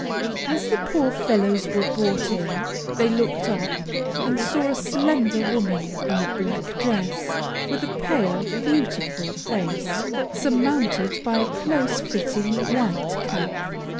As the poor fellows were brought in, they looked up, and saw a slender woman in a black dress, with a pale, beautiful face surmounted by a close fitting white cap.